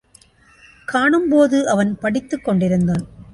காணும்போது அவன் படித்துக்கொண்டிருந்தான்.